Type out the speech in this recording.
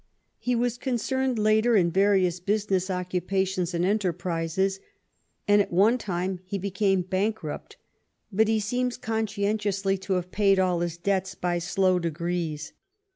He was concerned later in various business occupations and enterprises, and at one time he became bankrupt, but he seems conscientiously to have paid all his debts by slow de grees.